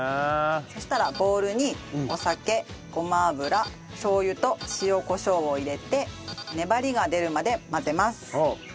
そしたらボウルにお酒ごま油しょう油と塩コショウを入れて粘りが出るまで混ぜます。